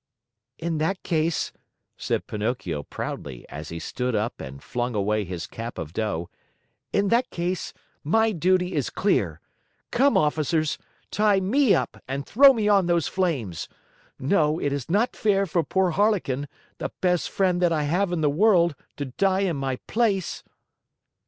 "In that case," said Pinocchio proudly, as he stood up and flung away his cap of dough, "in that case, my duty is clear. Come, officers! Tie me up and throw me on those flames. No, it is not fair for poor Harlequin, the best friend that I have in the world, to die in my place!"